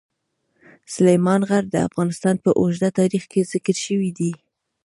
سلیمان غر د افغانستان په اوږده تاریخ کې ذکر شوی دی.